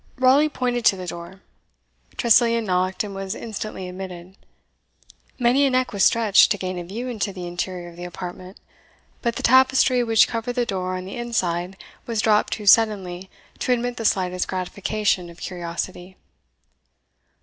Raleigh pointed to the door. Tressilian knocked, and was instantly admitted. Many a neck was stretched to gain a view into the interior of the apartment; but the tapestry which covered the door on the inside was dropped too suddenly to admit the slightest gratification of curiosity.